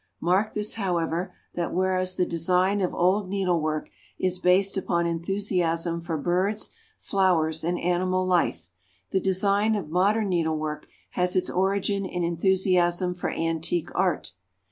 Mark this, however: that whereas the design of old needlework is based upon enthusiasm for birds, flowers, and animal life, the design of modern needlework has its origin in enthusiasm for antique art.